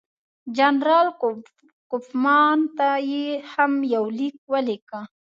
جنرال کوفمان ته یې هم یو لیک ولیکه.